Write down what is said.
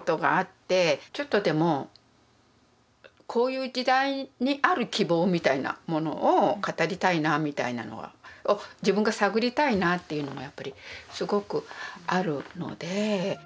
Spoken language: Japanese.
ちょっとでもこういう時代にある希望みたいなものを語りたいなみたいなのは。を自分が探りたいなっていうのもやっぱりすごくあるので。